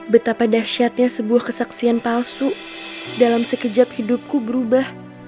betapa dahsyatnya sebuah kesaksian palsu dalam sekejap hidupku berubah